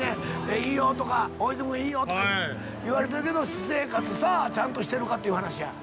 「いいよ」とか「大泉いいよ」とか言われてるけど私生活さあちゃんとしてるかっていう話や。